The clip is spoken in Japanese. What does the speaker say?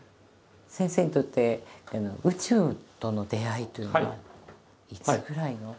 先生にとって宇宙との出会いというのはいつぐらいの？